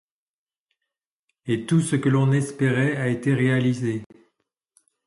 Et tout ce que l'on espérait a été réalisé.